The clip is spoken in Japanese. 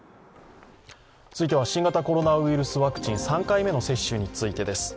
続いては新型コロナウイルスワクチン３回目の接種についてです。